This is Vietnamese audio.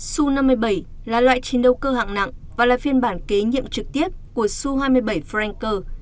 su năm mươi bảy là loại chiến đấu cơ hạng nặng và là phiên bản kế nhiệm trực tiếp của su hai mươi bảy franker